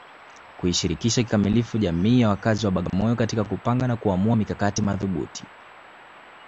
kuishirikisha kikamilifu jamii ya wakazi wa Bagamoyo katika kupanga na kuamua mikakati madhubuti